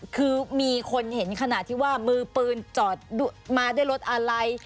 คือมีคนเห็นขณะที่ว่ามือปืนจอดมาด้วยรถอะไร